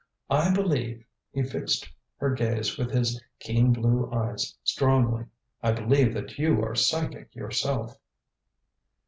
I believe," he fixed her gaze with his keen blue eyes strongly, "I believe that you are psychic yourself."